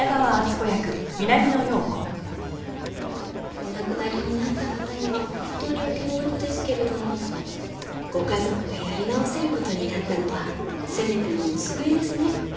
お亡くなりになった方には本当にお気の毒ですけれどもご家族がやり直せる事になったのはせめてもの救いですね。